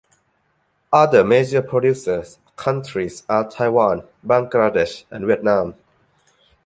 Other major producer countries are Taiwan, Bangladesh, and Vietnam.